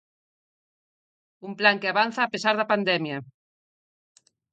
Un plan que avanza a pesar da pandemia.